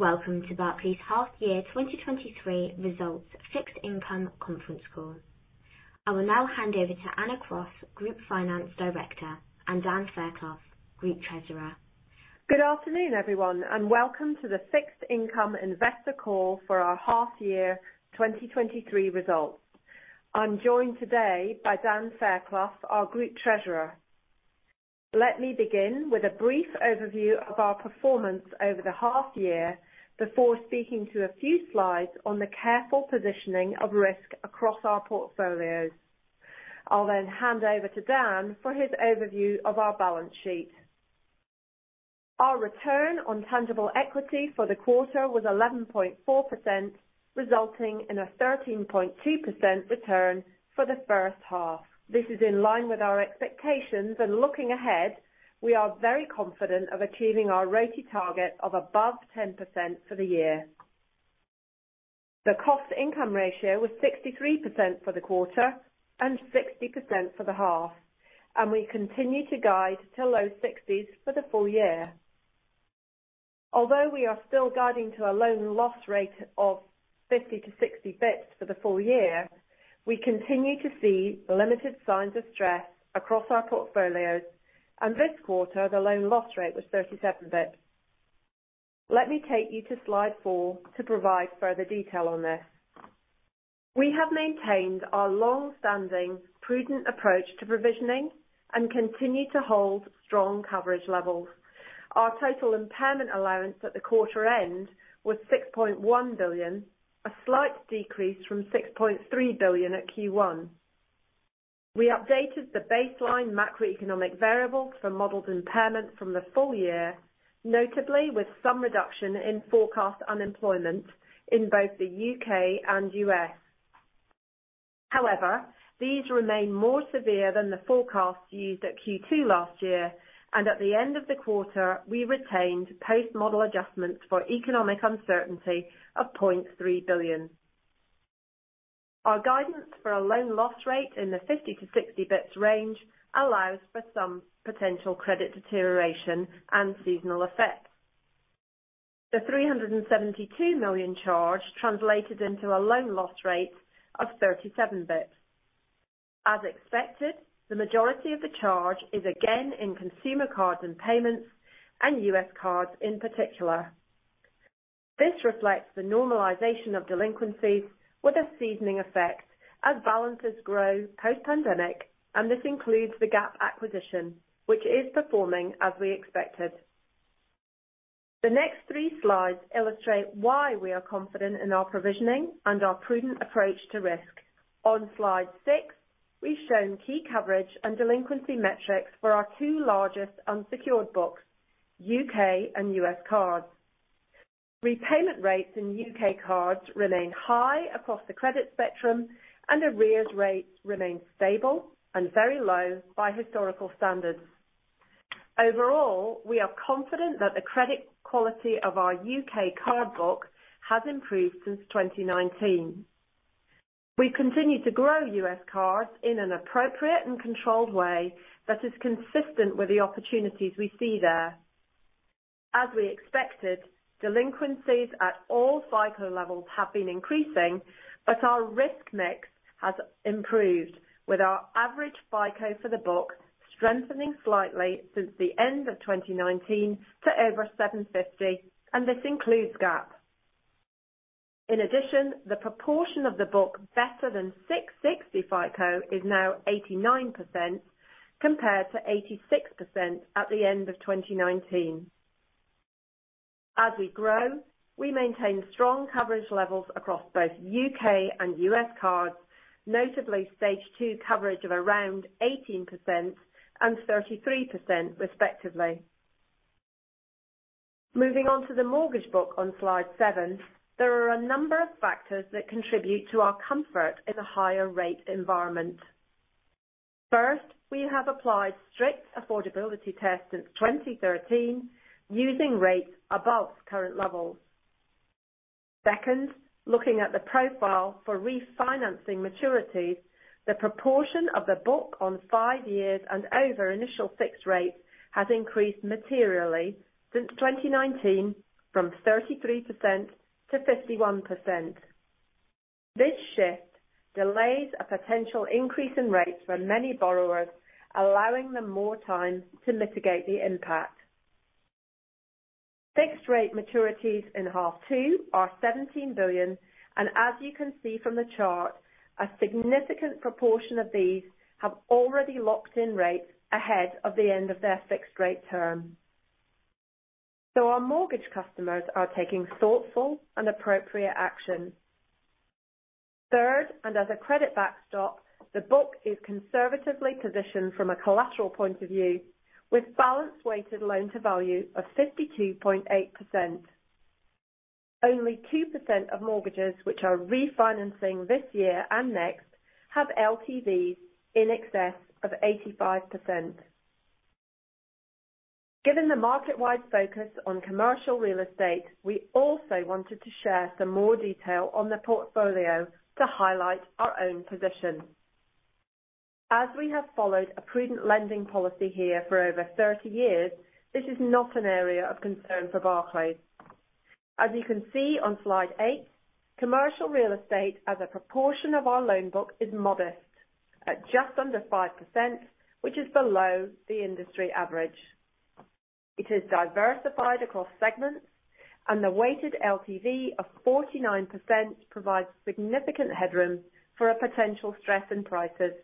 Welcome to Barclays Half Year 2023 Results, Fixed Income Conference Call. I will now hand over to Anna Cross, Group Finance Director, and Dan Fairclough, Group Treasurer. Good afternoon, everyone, welcome to the Fixed Income Investor Call for our half year 2023 results. I'm joined today by Dan Fairclough, our Group Treasurer. Let me begin with a brief overview of our performance over the half year before speaking to a few slides on the careful positioning of risk across our portfolios. I'll then hand over to Dan for his overview of our balance sheet. Our return on tangible equity for the quarter was 11.4%, resulting in a 13.2% return for the first half. This is in line with our expectations, and looking ahead, we are very confident of achieving our ROTE target of above 10% for the year. The cost-income ratio was 63% for the quarter and 60% for the half, and we continue to guide to low 60s for the full year. Although we are still guiding to a loan loss rate of 50-60 basis points for the full year, we continue to see limited signs of stress across our portfolios, and this quarter, the loan loss rate was 37 basis points. Let me take you to slide 4 to provide further detail on this. We have maintained our long-standing prudent approach to provisioning and continue to hold strong coverage levels. Our total impairment allowance at the quarter end was 6.1 billion, a slight decrease from 6.3 billion at Q1. We updated the baseline macroeconomic variables for modeled impairment from the full year, notably with some reduction in forecast unemployment in both the U.K. and U.S. However, these remain more severe than the forecasts used at Q2 last year, and at the end of the quarter, we retained post-model adjustments for economic uncertainty of 0.3 billion. Our guidance for a loan loss rate in the 50-60 basis points range allows for some potential credit deterioration and seasonal effects. The 372 million charge translated into a loan loss rate of 37 basis points. As expected, the majority of the charge is again in consumer cards and payments, and U.S. cards in particular. This reflects the normalization of delinquencies with a seasoning effect as balances grow post-pandemic, and this includes the Gap acquisition, which is performing as we expected. The next three slides illustrate why we are confident in our provisioning and our prudent approach to risk. On Slide 6, we've shown key coverage and delinquency metrics for our two largest unsecured books, U.K. and U.S. cards. Repayment rates in U.K. cards remain high across the credit spectrum. Arrears rates remain stable and very low by historical standards. Overall, we are confident that the credit quality of our U.K. card book has improved since 2019. We continue to grow U.S. cards in an appropriate and controlled way that is consistent with the opportunities we see there. As we expected, delinquencies at all FICO levels have been increasing, but our risk mix has improved, with our average FICO for the book strengthening slightly since the end of 2019 to over 750, and this includes Gap. In addition, the proportion of the book better than 660 FICO is now 89%, compared to 86% at the end of 2019. As we grow, we maintain strong coverage levels across both U.K. and U.S. cards, notably Stage 2 coverage of around 18% and 33%, respectively. Moving on to the mortgage book on slide seven, there are a number of factors that contribute to our comfort in a higher rate environment. First, we have applied strict affordability tests since 2013, using rates above current levels. Second, looking at the profile for refinancing maturities, the proportion of the book on five years and over initial fixed rates has increased materially since 2019 from 33% to 51%. This shift delays a potential increase in rates for many borrowers, allowing them more time to mitigate the impact. Fixed rate maturities in half two are 17 billion, and as you can see from the chart, a significant proportion of these have already locked in rates ahead of the end of their fixed rate term. Our mortgage customers are taking thoughtful and appropriate action. Third, as a credit backstop, the book is conservatively positioned from a collateral point of view with balance weighted loan-to-value of 52.8%. Only 2% of mortgages, which are refinancing this year and next, have LTVs in excess of 85%. Given the market-wide focus on commercial real estate, we also wanted to share some more detail on the portfolio to highlight our own position. As we have followed a prudent lending policy here for over 30 years, this is not an area of concern for Barclays. As you can see on slide 8, commercial real estate as a proportion of our loan book is modest, at just under 5%, which is below the industry average. It is diversified across segments, and the weighted LTV of 49% provides significant headroom for a potential stress in prices.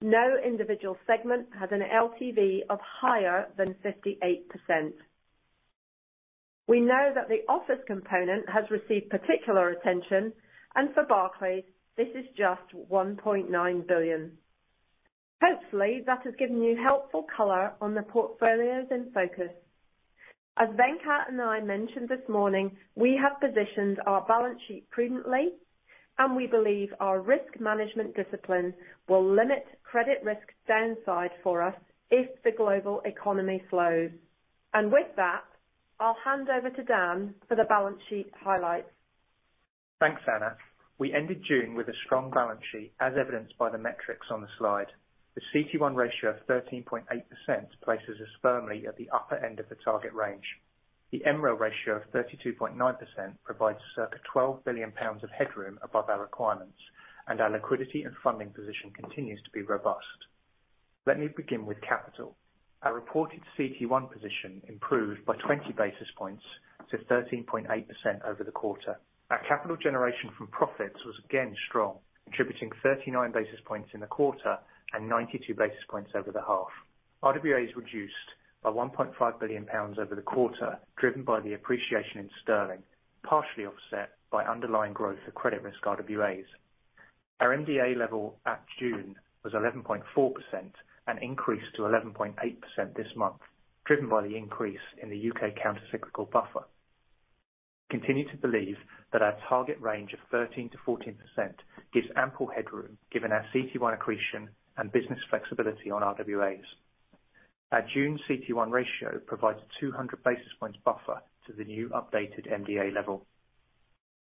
No individual segment has an LTV of higher than 58%. We know that the office component has received particular attention, for Barclays, this is just 1.9 billion. Hopefully, that has given you helpful color on the portfolios in focus. As Venkat and I mentioned this morning, we have positioned our balance sheet prudently, we believe our risk management discipline will limit credit risk downside for us if the global economy slows. With that, I'll hand over to Dan for the balance sheet highlights. Thanks, Anna. We ended June with a strong balance sheet, as evidenced by the metrics on the slide. The CET1 ratio of 13.8% places us firmly at the upper end of the target range. The MREL ratio of 32.9% provides circa 12 billion pounds of headroom above our requirements, and our liquidity and funding position continues to be robust. Let me begin with capital. Our reported CET1 position improved by 20 basis points to 13.8% over the quarter. Our capital generation from profits was again strong, contributing 39 basis points in the quarter and 92 basis points over the half. RWAs reduced by 1.5 billion pounds over the quarter, driven by the appreciation in sterling, partially offset by underlying growth of credit risk RWAs. Our MDA level at June was 11.4% and increased to 11.8% this month, driven by the increase in the U.K. countercyclical buffer. We continue to believe that our target range of 13%-14% gives ample headroom, given our CET1 accretion and business flexibility on RWAs. Our June CET1 ratio provides a 200 basis points buffer to the new updated MDA level.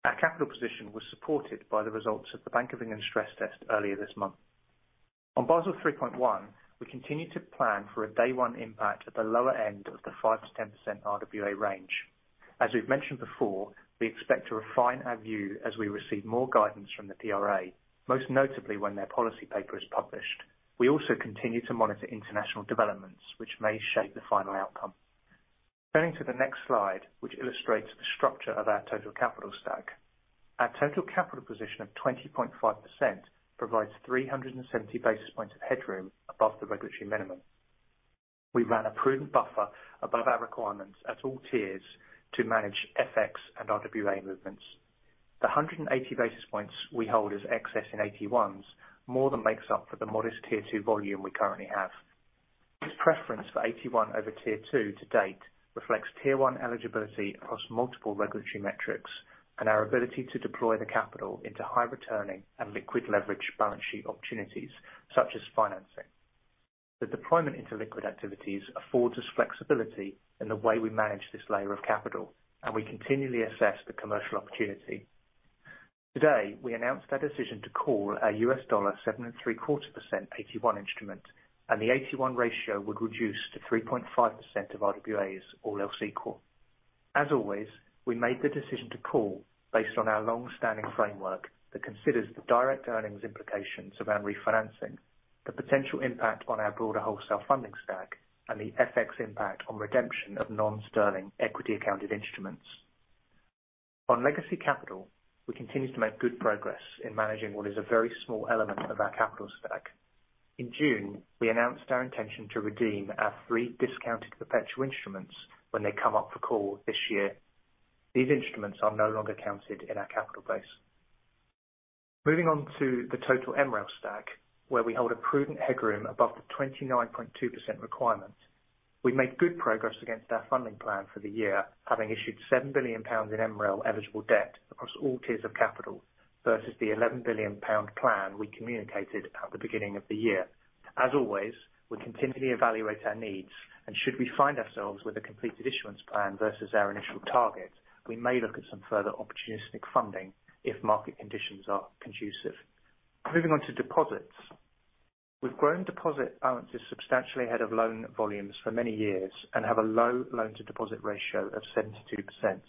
Our capital position was supported by the results of the Bank of England stress test earlier this month. On Basel 3.1, we continue to plan for a day 1 impact at the lower end of the 5%-10% RWA range. As we've mentioned before, we expect to refine our view as we receive more guidance from the PRA, most notably when their policy paper is published. We also continue to monitor international developments, which may shape the final outcome. Turning to the next slide, which illustrates the structure of our total capital stack. Our total capital position of 20.5% provides 370 basis points of headroom above the regulatory minimum. We ran a prudent buffer above our requirements at all tiers to manage FX and RWAs movements. The 180 basis points we hold as excess in AT1s more than makes up for the modest Tier 2 volume we currently have. This preference for AT1 over Tier 2 to date reflects tier one eligibility across multiple regulatory metrics and our ability to deploy the capital into high returning and liquid leverage balance sheet opportunities, such as financing. The deployment into liquid activities affords us flexibility in the way we manage this layer of capital, and we continually assess the commercial opportunity. Today, we announced our decision to call our U.S. dollar 7.75% AT1 instrument. The AT1 ratio would reduce to 3.5% of RWAs, all else equal. As always, we made the decision to call based on our long-standing framework that considers the direct earnings implications around refinancing, the potential impact on our broader wholesale funding stack, and the FX impact on redemption of non-sterling equity accounted instruments. On legacy capital, we continue to make good progress in managing what is a very small element of our capital stack. In June, we announced our intention to redeem our three discounted perpetual instruments when they come up for call this year. These instruments are no longer counted in our capital base. Moving on to the total MREL stack, where we hold a prudent headroom above the 29.2% requirement. We've made good progress against our funding plan for the year, having issued 7 billion pounds in MREL eligible debt across all tiers of capital, versus the 11 billion pound plan we communicated at the beginning of the year. As always, we continually evaluate our needs, and should we find ourselves with a completed issuance plan versus our initial target, we may look at some further opportunistic funding if market conditions are conducive. Moving on to deposits. We've grown deposit balances substantially ahead of loan volumes for many years and have a low loan-to-deposit ratio of 72%.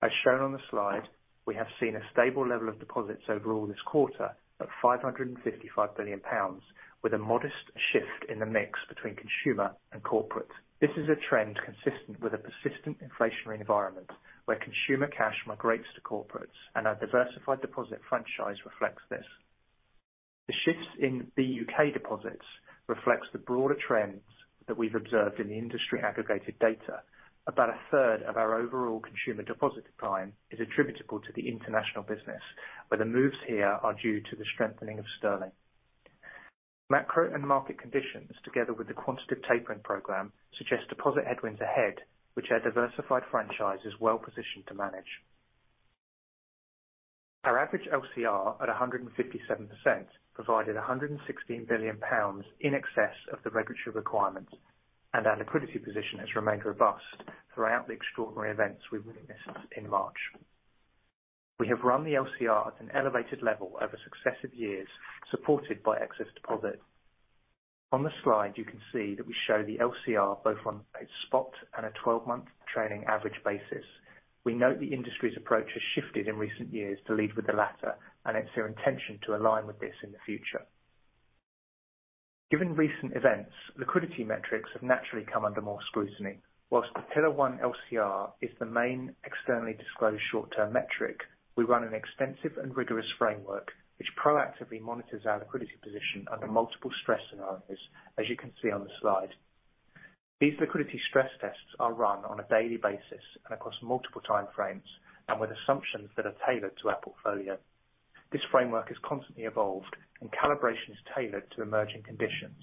As shown on the slide, we have seen a stable level of deposits overall this quarter of 555 billion pounds, with a modest shift in the mix between consumer and corporate. This is a trend consistent with a persistent inflationary environment, where consumer cash migrates to corporates, and our diversified deposit franchise reflects this. The shifts in the U.K. deposits reflects the broader trends that we've observed in the industry aggregated data. About a third of our overall consumer deposit decline is attributable to the international business, where the moves here are due to the strengthening of sterling. Macro and market conditions, together with the quantitative tapering program, suggest deposit headwinds ahead, which our diversified franchise is well positioned to manage. Our average LCR, at 157%, provided 116 billion pounds in excess of the regulatory requirements. Our liquidity position has remained robust throughout the extraordinary events we witnessed in March. We have run the LCR at an elevated level over successive years, supported by excess deposit. On the slide, you can see that we show the LCR both on a spot and a 12-month trailing average basis. We note the industry's approach has shifted in recent years to lead with the latter. It's our intention to align with this in the future. Given recent events, liquidity metrics have naturally come under more scrutiny. Whilst the Pillar 1 LCR is the main externally disclosed short-term metric, we run an extensive and rigorous framework, which proactively monitors our liquidity position under multiple stress scenarios, as you can see on the slide. These liquidity stress tests are run on a daily basis and across multiple timeframes, and with assumptions that are tailored to our portfolio. This framework is constantly evolved, and calibration is tailored to emerging conditions.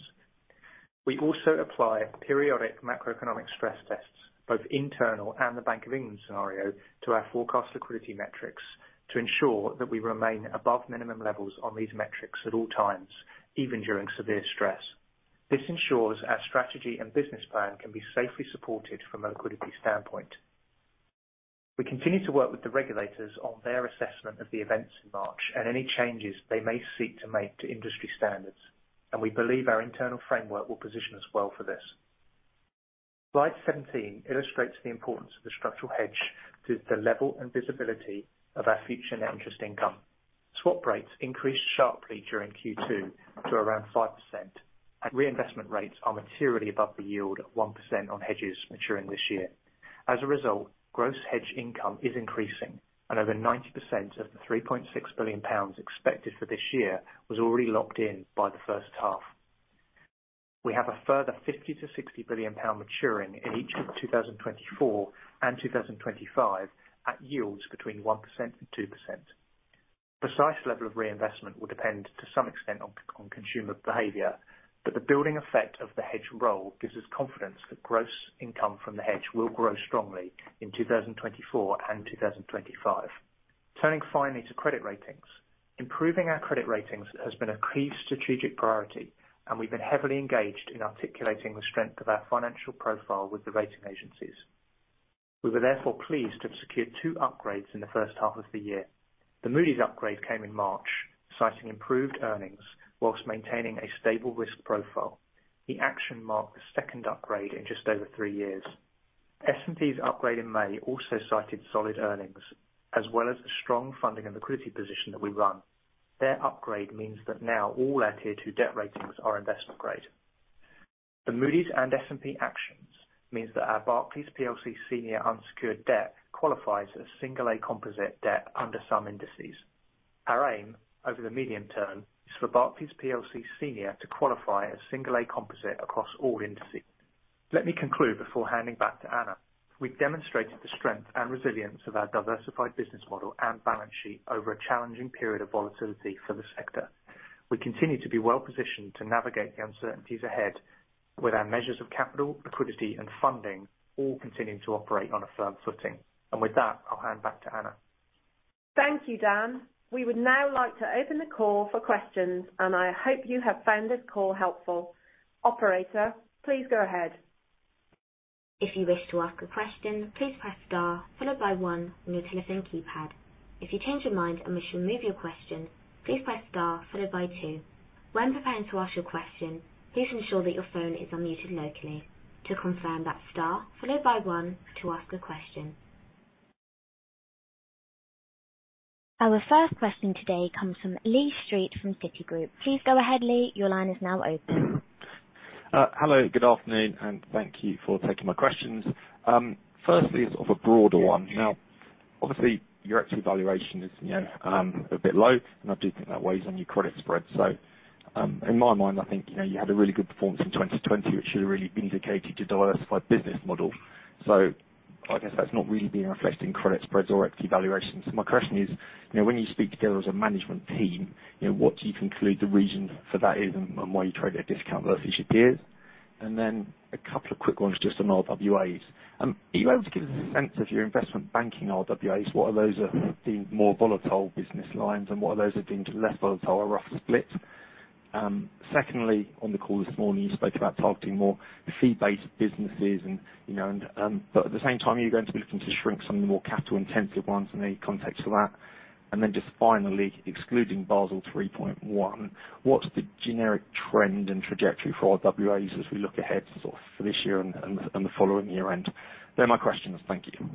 We also apply periodic macroeconomic stress tests, both internal and the Bank of England scenario, to our forecast liquidity metrics to ensure that we remain above minimum levels on these metrics at all times, even during severe stress. This ensures our strategy and business plan can be safely supported from a liquidity standpoint. We continue to work with the regulators on their assessment of the events in March and any changes they may seek to make to industry standards. We believe our internal framework will position us well for this. Slide 17 illustrates the importance of the structural hedge to the level and visibility of our future net interest income. Swap rates increased sharply during Q2 to around 5%. Reinvestment rates are materially above the yield at 1% on hedges maturing this year. As a result, gross hedge income is increasing. Over 90% of the 3.6 billion pounds expected for this year was already locked in by the first half. We have a further 50 billion-60 billion pound maturing in each of 2024 and 2025, at yields between 1% and 2%. Precise level of reinvestment will depend to some extent on consumer behavior. The building effect of the hedge roll gives us confidence that gross income from the hedge will grow strongly in 2024 and 2025. Turning finally to credit ratings. Improving our credit ratings has been a key strategic priority, and we've been heavily engaged in articulating the strength of our financial profile with the rating agencies. We were therefore pleased to have secured 2 upgrades in the first half of the year. The Moody's upgrade came in March, citing improved earnings while maintaining a stable risk profile. The action marked the second upgrade in just over 3 years. S&P's upgrade in May also cited solid earnings, as well as the strong funding and liquidity position that we run. Their upgrade means that now all our Tier 2 debt ratings are investment grade. The Moody's and S&P actions means that our Barclays PLC senior unsecured debt qualifies as single A composite debt under some indices. Our aim, over the medium term, is for Barclays PLC senior to qualify as single A composite across all indices. Let me conclude before handing back to Anna. We've demonstrated the strength and resilience of our diversified business model and balance sheet over a challenging period of volatility for the sector. We continue to be well positioned to navigate the uncertainties ahead with our measures of capital, liquidity, and funding all continuing to operate on a firm footing. With that, I'll hand back to Anna. Thank you, Dan. We would now like to open the call for questions. I hope you have found this call helpful. Operator, please go ahead. If you wish to ask a question, please press star followed by one on your telephone keypad. If you change your mind and wish to remove your question, please press star followed by two. When preparing to ask your question, please ensure that your phone is unmuted locally. To confirm, that's star followed by one to ask a question. Our first question today comes from Lee Street from Citigroup. Please go ahead, Lee, your line is now open. Hello, good afternoon, and thank you for taking my questions. Firstly is of a broader one. Now, obviously, your equity valuation is, you know, a bit low, and I do think that weighs on your credit spread. In my mind, I think, you know, you had a really good performance in 2020, which should have really indicated your diversified business model. I guess that's not really being reflected in credit spreads or equity valuations. My question is, you know, when you speak together as a management team, you know, what do you conclude the reason for that is and, and why you trade at a discount versus your peers? Then a couple of quick ones just on RWAs. Are you able to give us a sense of your investment banking RWAs? What are those are the more volatile business lines, and what are those have been less volatile, a rough split? Secondly, on the call this morning, you spoke about targeting more fee-based businesses and, you know, and at the same time, are you going to be looking to shrink some of the more capital-intensive ones in the context of that? Just finally, excluding Basel 3.1, what's the generic trend and trajectory for RWAs as we look ahead sort of for this year and the following year end? They're my questions. Thank you.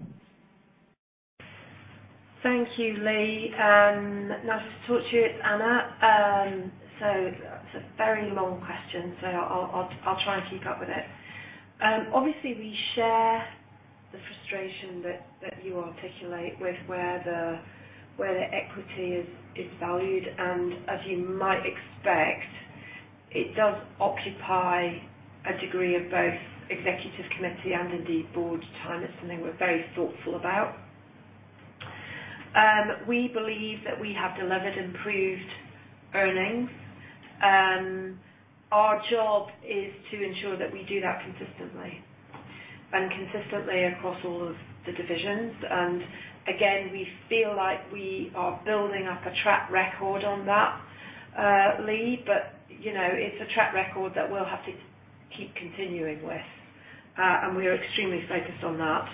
Thank you, Lee, and nice to talk to you. It's Anna. It's a very long question, so I'll try and keep up with it. Obviously, we share the frustration that you articulate with where the equity is valued. As you might expect, it does occupy a degree of both executive committee and indeed, board time. It's something we're very thoughtful about. We believe that we have delivered improved earnings. Our job is to ensure that we do that consistently and consistently across all of the divisions. Again, we feel like we are building up a track record on that, Lee, but, you know, it's a track record that we'll have to keep continuing with. We are extremely focused on that.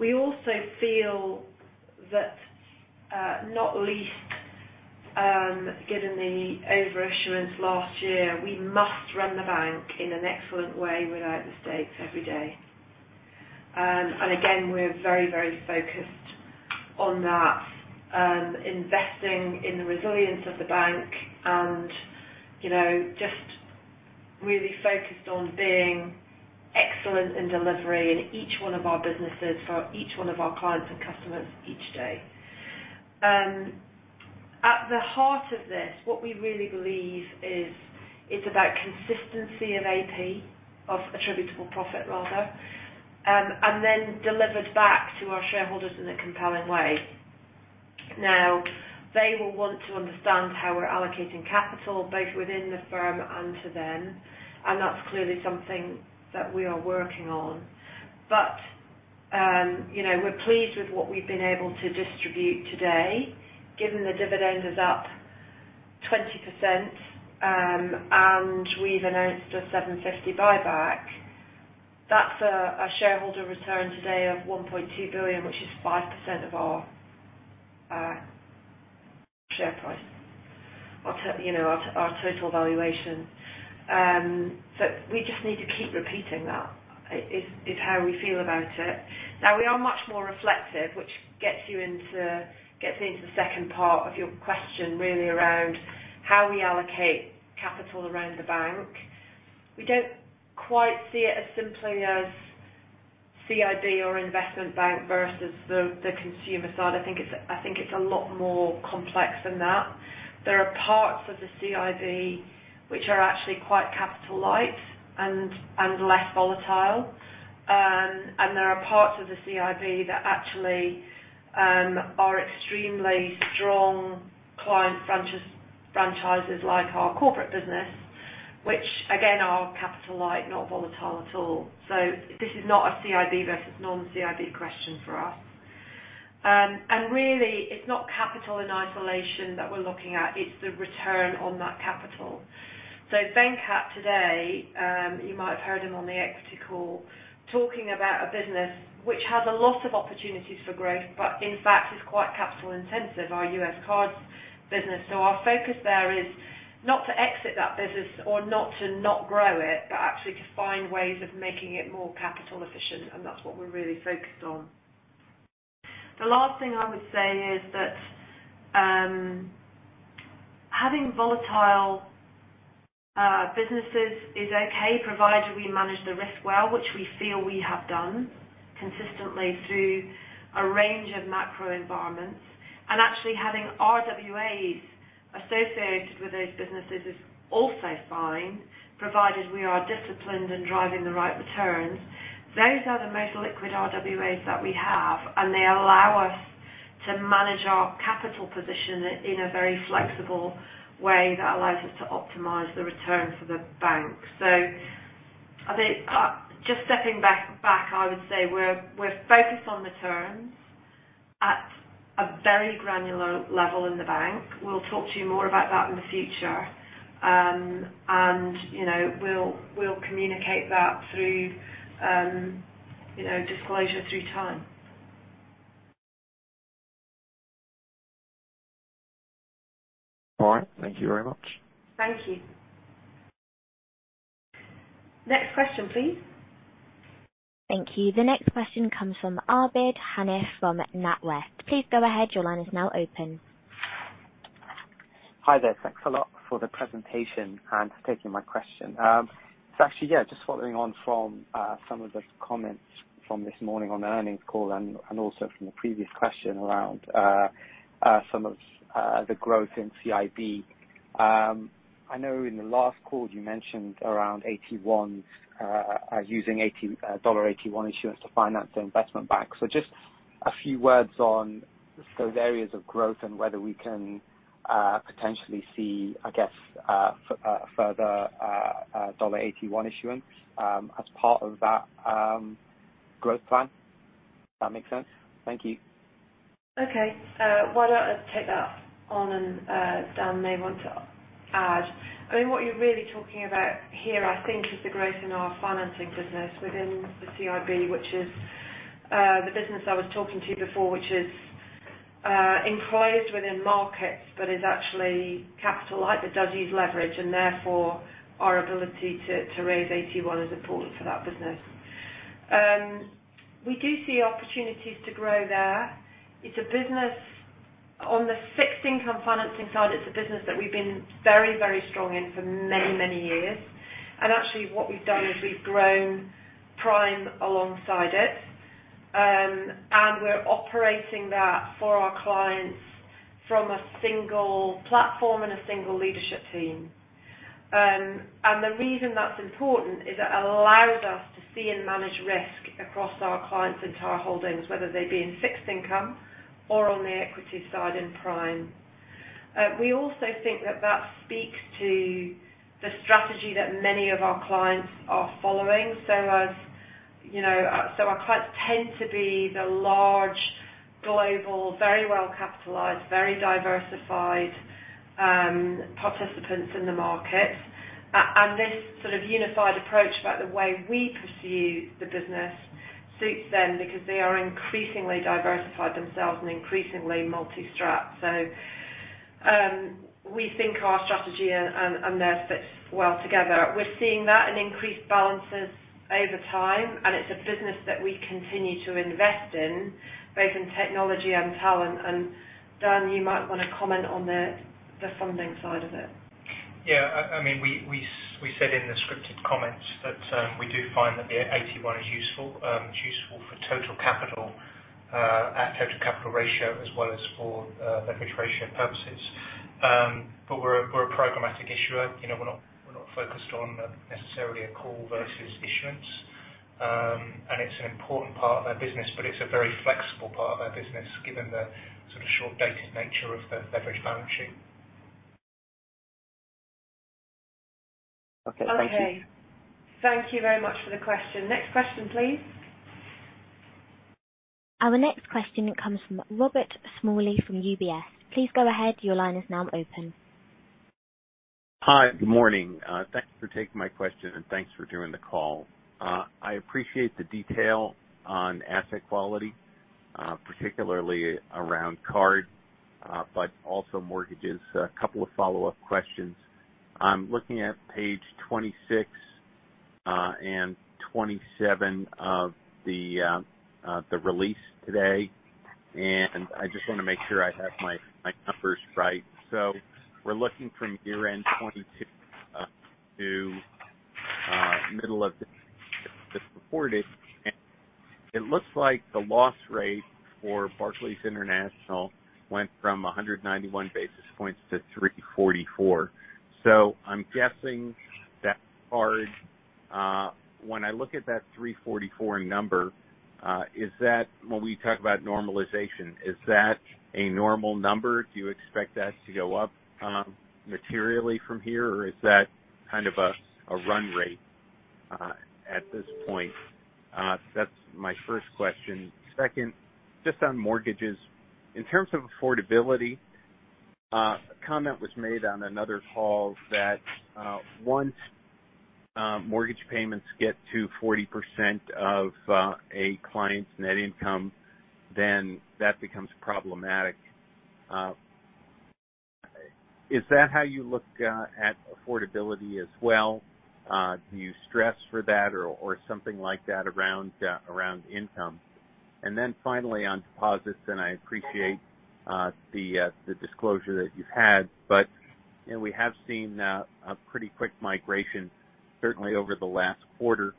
We also feel that, not least, given the overissuance last year, we must run the bank in an excellent way without mistakes every day. Again, we're very, very focused on that, investing in the resilience of the bank and, you know, just really focused on being excellent in delivery in each one of our businesses for each one of our clients and customers each day. At the heart of this, what we really believe is it's about consistency of AP, of attributable profit, rather, and then delivered back to our shareholders in a compelling way. Now, they will want to understand how we're allocating capital, both within the firm and to them, and that's clearly something that we are working on. You know, we're pleased with what we've been able to distribute today. Given the dividend is up 20%, and we've announced a 750 buyback, that's a shareholder return today of 1.2 billion, which is 5% of our share price, or to, you know, our total valuation. We just need to keep repeating that. It is how we feel about it. Now, we are much more reflective, which gets you into, gets me into the second part of your question, really around how we allocate capital around the bank. We don't quite see it as simply as CIB or investment bank versus the consumer side. I think it's a lot more complex than that. There are parts of the CIB which are actually quite capital light and less volatile, and there are parts of the CIB that actually are extremely strong client franchises, like our corporate business, which again, are capital light, not volatile at all. This is not a CIB versus non-CIB question for us. Really, it's not capital in isolation that we're looking at, it's the return on that capital. Venkat today, you might have heard him on the equity call, talking about a business which has a lot of opportunities for growth, but in fact is quite capital intensive, our U.S. cards business. Our focus there is not to exit that business or not to not grow it, but actually to find ways of making it more capital efficient, and that's what we're really focused on. The last thing I would say is that, having volatile businesses is okay, provided we manage the risk well, which we feel we have done consistently through a range of macro environments. Actually, having RWAs associated with those businesses is also fine, provided we are disciplined in driving the right returns. Those are the most liquid RWAs that we have, and they allow us to manage our capital position in a very flexible way that allows us to optimize the return for the bank. I think, just stepping back, I would say we're focused on returns at a very granular level in the bank. We'll talk to you more about that in the future. You know, we'll communicate that through, you know, disclosure through time. All right. Thank you very much. Thank you. Next question, please. Thank you. The next question comes from Aabid Hanif from Ninety One. Please go ahead. Your line is now open. Hi there. Thanks a lot for the presentation and for taking my question. Actually, yeah, just following on from some of the comments from this morning on the earnings call and, and also from the previous question around some of the growth in CIB. I know in the last call you mentioned around AT1 using dollar AT1 issuance to finance the investment bank. Just a few words on those areas of growth and whether we can potentially see, I guess, further dollar AT1 issuance as part of that growth plan. If that makes sense. Thank you. Okay. Why don't I take that on, Dan may want to add? I mean, what you're really talking about here, I think, is the growth in our financing business within the CIB, which is the business I was talking to you before, which is enclosed within markets, but is actually capital light, but does use leverage, and therefore our ability to raise AT1 is important for that business. We do see opportunities to grow there. It's a business. On the fixed income financing side, it's a business that we've been very, very strong in for many, many years. Actually, what we've done is we've grown Prime alongside it. We're operating that for our clients from a single platform and a single leadership team. The reason that's important is it allows us to see and manage risk across our clients' entire holdings, whether they be in fixed income or on the equity side in Prime. We also think that that speaks to the strategy that many of our clients are following. As you know, our clients tend to be the large global, very well capitalized, very diversified participants in the market. This sort of unified approach about the way we pursue the business suits them, because they are increasingly diversified themselves and increasingly multi-strat. We think our strategy and theirs fits well together. We're seeing that in increased balances over time, and it's a business that we continue to invest in, both in technology and talent. Dan, you might want to comment on the funding side of it. Yeah, I mean, we said in the scripted comments that we do find that the AT1 is useful. It's useful for total capital, at total capital ratio, as well as for leverage ratio purposes. We're a programmatic issuer, you know, we're not focused on necessarily a call versus issuance. It's an important part of our business, but it's a very flexible part of our business, given the sort of short dated nature of the leverage balancing. Okay. Thank you very much for the question. Next question, please. Our next question comes from Robert Smalley from UBS. Please go ahead. Your line is now open. Hi, good morning. Thank you for taking my question, and thanks for doing the call. I appreciate the detail on asset quality, particularly around card, but also mortgages. A couple of follow-up questions. I'm looking at page 26 and 27 of the release today, and I just want to make sure I have my numbers right. We're looking from year-end 2022 to middle of the quarter. It looks like the loss rate for Barclays International went from 191 basis points to 344. I'm guessing that card, when I look at that 344 number, is that when we talk about normalization, is that a normal number? Do you expect that to go up materially from here, or is that kind of a run rate at this point? That's my first question. Second, just on mortgages. In terms of affordability, a comment was made on another call that once mortgage payments get to 40% of a client's net income, then that becomes problematic. Is that how you look at affordability as well? Do you stress for that or something like that around income? Finally, on deposits, and I appreciate the disclosure that you've had, but, you know, we have seen a pretty quick migration, certainly over the last quarter.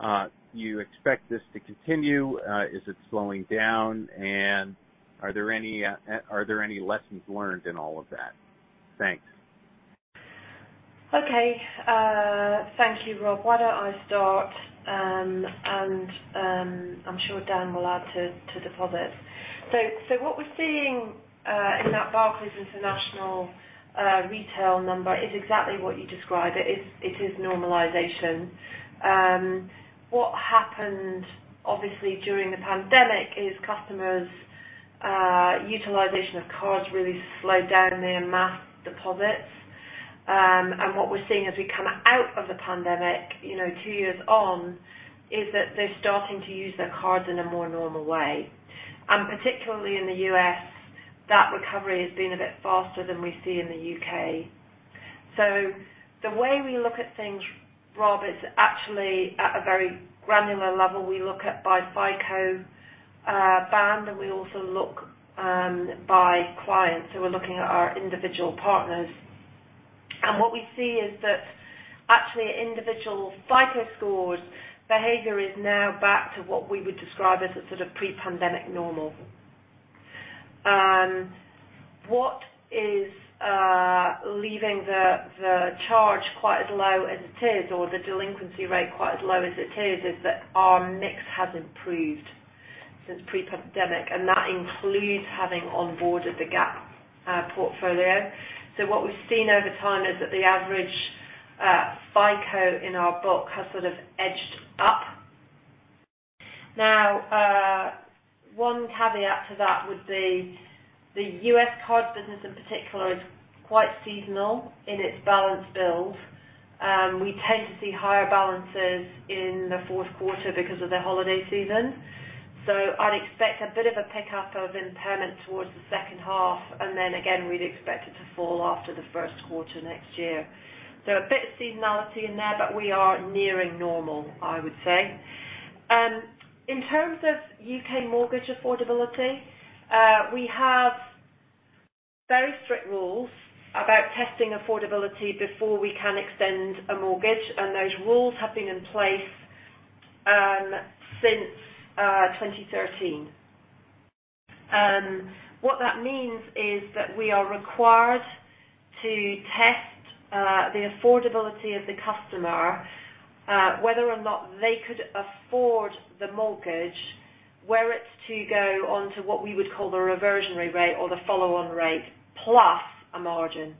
Do you expect this to continue? Is it slowing down, and are there any lessons learned in all of that? Thanks. Okay. Thank you, Rob. Why don't I start? I'm sure Dan will add to deposits. What we're seeing in that Barclays International retail number is exactly what you described. It is normalization. What happened obviously during the pandemic is customers' utilization of cards really slowed down. They amassed deposits. What we're seeing as we come out of the pandemic, you know, two years on, is that they're starting to use their cards in a more normal way. Particularly in the US, that recovery has been a bit faster than we see in the U.K. The way we look at things, Rob, is actually at a very granular level. We look at by FICO band, and we also look by clients, so we're looking at our individual partners. What we see is that actually individual FICO scores, behavior is now back to what we would describe as a sort of pre-pandemic normal. What is leaving the charge quite as low as it is, or the delinquency rate quite as low as it is, is that our mix has improved since pre-pandemic, and that includes having onboarded the Gap portfolio. What we've seen over time is that the average FICO in our book has sort of edged up. Now, one caveat to that would be the U.S. cards business in particular, is quite seasonal in its balance build. We tend to see higher balances in the fourth quarter because of the holiday season, so I'd expect a bit of a pickup of impairment towards the second half, and then again, we'd expect it to fall after the first quarter next year. A bit of seasonality in there, but we are nearing normal, I would say. In terms of U.K. mortgage affordability, we have very strict rules about testing affordability before we can extend a mortgage, and those rules have been in place since 2013. What that means is that we are required to test the affordability of the customer, whether or not they could afford the mortgage, where it's to go onto what we would call the reversionary rate or the follow-on rate, plus a margin.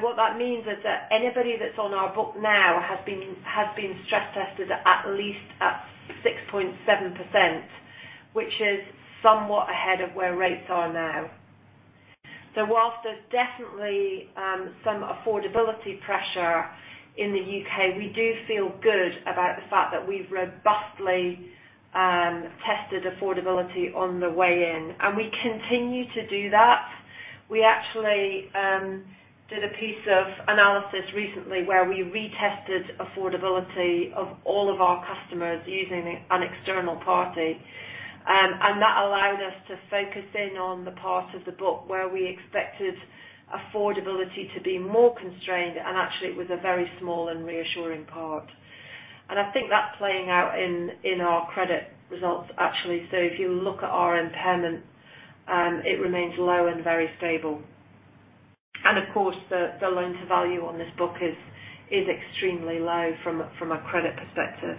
What that means is that anybody that's on our book now has been stress tested at least at 6.7%, which is somewhat ahead of where rates are now. Whilst there's definitely some affordability pressure in the U.K., we do feel good about the fact that we've robustly tested affordability on the way in, and we continue to do that. We actually did a piece of analysis recently where we retested affordability of all of our customers using an external party. That allowed us to focus in on the part of the book where we expected affordability to be more constrained, and actually it was a very small and reassuring part. I think that's playing out in our credit results actually. If you look at our impairment, it remains low and very stable. Of course, the loan-to-value on this book is extremely low from a credit perspective.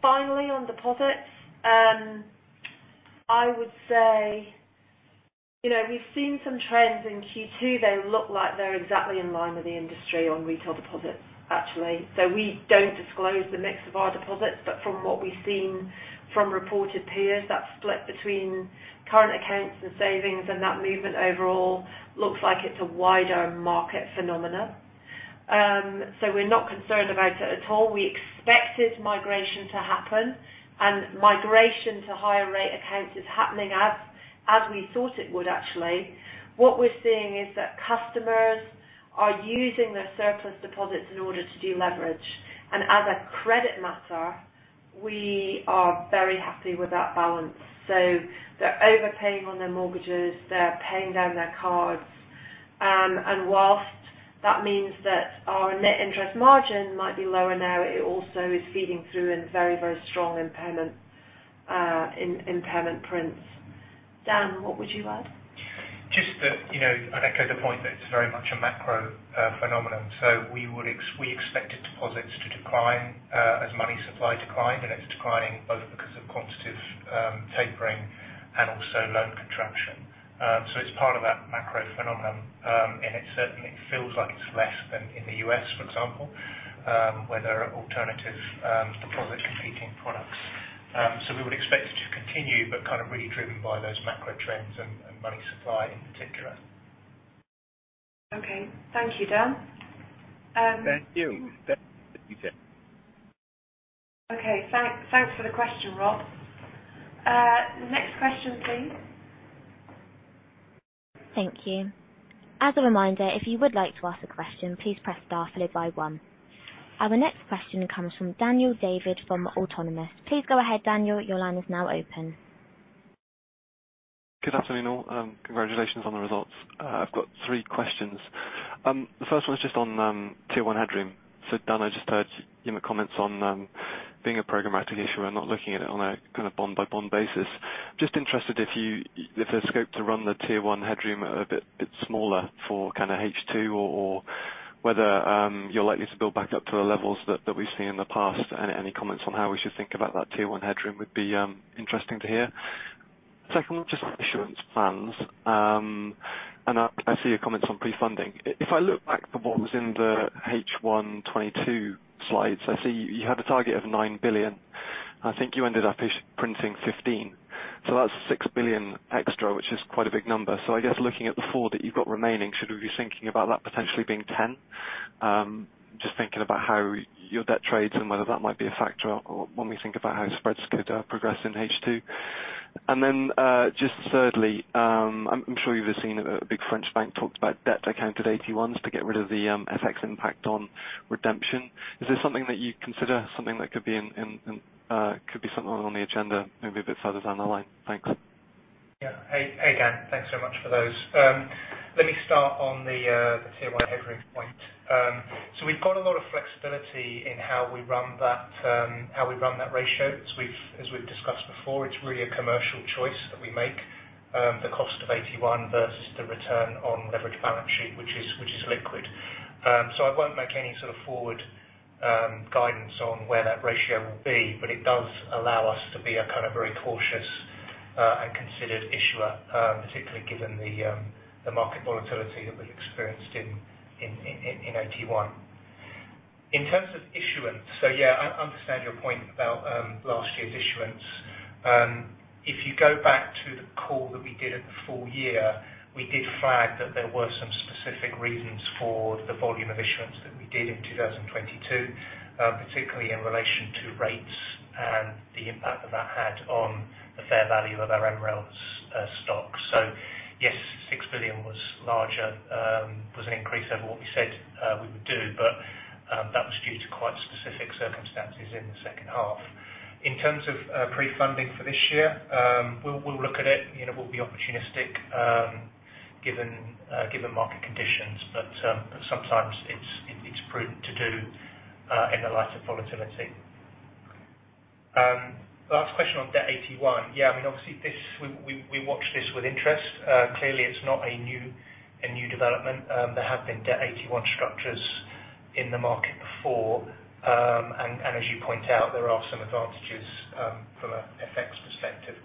Finally, on deposits, I would say, you know, we've seen some trends in Q2. They look like they're exactly in line with the industry on retail deposits, actually. We don't disclose the mix of our deposits, but from what we've seen from reported peers, that split between current accounts and savings, and that movement overall looks like it's a wider market phenomena. We're not concerned about it at all. We expected migration to happen, and migration to higher rate accounts is happening as we thought it would actually. What we're seeing is that customers are using their surplus deposits in order to deleverage. As a credit matter, we are very happy with that balance. They're overpaying on their mortgages, they're paying down their cards, and whilst that means that our net interest margin might be lower now, it also is feeding through in very, very strong impairment in impairment prints. Dan, what would you add? Just that, you know, I'd echo the point that it's very much a macro phenomenon. We expected deposits to decline as money supply declined, and it's declining both because of quantitative tapering and also loan contraction. It's part of that macro phenomenon. It certainly feels like it's less than in the US, for example, where there are alternative deposit competing products. We would expect it to continue, but kind of really driven by those macro trends and money supply in particular. Okay. Thank you, Dan. Thank you. Okay, thanks for the question, Rob. Next question, please. Thank you. As a reminder, if you would like to ask a question, please press star followed by one. Our next question comes from Daniel David from Autonomous. Please go ahead, Daniel. Your line is now open. Good afternoon all. Congratulations on the results. I've got three questions. The first one is just on Tier 1 headroom. Dan, I just heard in the comments on being a programmatic issuer and not looking at it on a kind of bond by bond basis. Just interested if there's scope to run the Tier 1 headroom a bit smaller for kind of H2, or whether you're likely to build back up to the levels that we've seen in the past? Any comments on how we should think about that Tier 1 headroom would be interesting to hear. Second one, just on issuance plans. I see your comments on pre-funding. If I look back at what was in the H1 2022 slides, I see you had a target of 9 billion. I think you ended up ish printing 15, so that's 6 billion extra, which is quite a big number. I guess looking at the 4 that you've got remaining, should we be thinking about that potentially being 10? Just thinking about how your debt trades and whether that might be a factor, or when we think about how spreads could progress in H2. Just thirdly, I'm sure you've seen a big French bank talked about debt accounted AT1s to get rid of the FX impact on redemption. Is this something that you'd consider? Something that could be in could be something on the agenda, maybe a bit further down the line? Thanks. Yeah. Hey, Dan. Thanks so much for those. Let me start on the Tier One headroom point. We've got a lot of flexibility in how we run that, how we run that ratio. As we've discussed before, it's really a commercial choice that we make, the cost of AT1 versus the return on leverage balance sheet, which is liquid. I won't make any sort of forward guidance on where that ratio will be, but it does allow us to be a kind of very cautious and considered issuer, particularly given the market volatility that we've experienced in AT1. In terms of issuance, yeah, I understand your point about last year's issuance. If you go back to the call that we did at the full year, we did flag that there were some specific reasons for the volume of issuance that we did in 2022, particularly in relation to rates and the impact that that had on the fair value of our MREL stock. Yes, 6 billion was larger, was an increase over what we said we would do, but that was due to quite specific circumstances in the second half. In terms of pre-funding for this year, we'll look at it, you know, we'll be opportunistic, given market conditions, but sometimes it's prudent to do in the light of volatility. Last question on AT1 debt. I mean, obviously this, we watch this with interest. Clearly, it's not a new development. There have been AT1 debt structures in the market before. As you point out, there are some advantages from a FX perspective.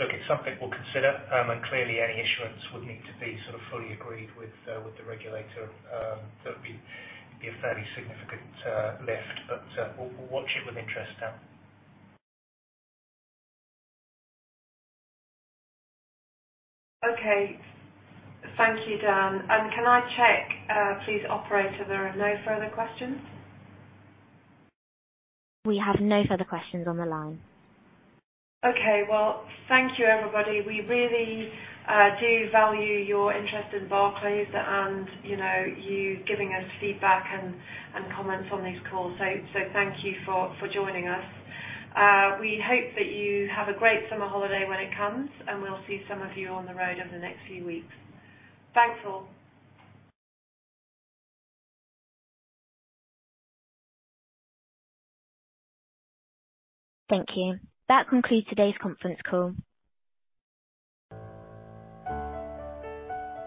Look, it's something we'll consider, and clearly any issuance would need to be sort of fully agreed with the regulator. It'd be a fairly significant lift, but we'll watch it with interest Dan. Okay. Thank you, Dan. Can I check, please, operator, there are no further questions? We have no further questions on the line. Okay. Well, thank you, everybody. We really, do value your interest in Barclays and, you know, you giving us feedback and comments on these calls. Thank you for joining us. We hope that you have a great summer holiday when it comes, and we'll see some of you on the road over the next few weeks. Thanks, all. Thank you. That concludes today's conference call.